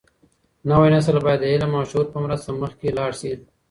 نوی نسل بايد د علم او شعور په مرسته مخکې لاړ سي.